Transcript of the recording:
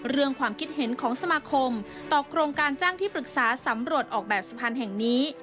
ความคิดเห็นของสมาคมต่อโครงการจ้างที่ปรึกษาสำรวจออกแบบสะพานแห่งนี้